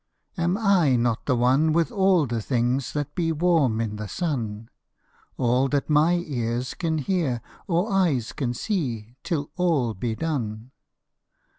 Am I not one with all the things that be Warm in the sun? All that my ears can hear, or eyes can see, Till all be done.